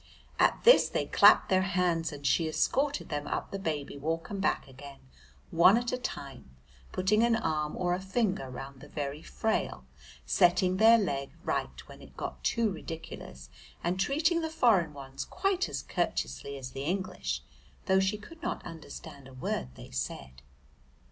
At this they clapped their hands, and she escorted them up to the Baby Walk and back again, one at a time, putting an arm or a finger round the very frail, setting their leg right when it got too ridiculous, and treating the foreign ones quite as courteously as the English, though she could not understand a word they said.